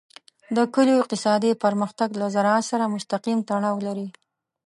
د کلیو اقتصادي پرمختګ له زراعت سره مستقیم تړاو لري.